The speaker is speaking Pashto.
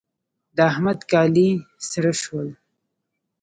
د احمد کالي سره شول.